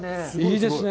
いいですね。